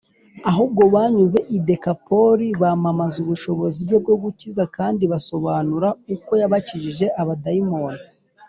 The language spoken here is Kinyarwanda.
ahubwo banyuze i dekapoli bamamaza ubushobozi bwe bwo gukiza, kandi basobanura uko yabakijije abadayimoni